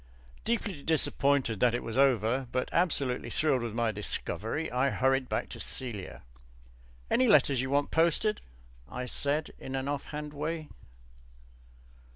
Deeply disappointed that it was over, but absolutely thrilled with my discovery, I hurried back to Celia. "Any letters you want posted?" I said in an off hand way.